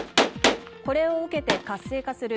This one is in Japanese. これを受けて活性化する